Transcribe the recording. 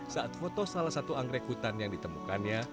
saat foto salah satu anggrek hutan yang ditemukannya